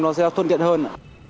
nó sẽ thuận tiện hơn